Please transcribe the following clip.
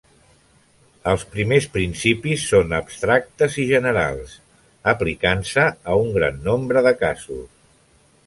Els primers principis són abstractes i generals, aplicant-se a un gran nombre de casos.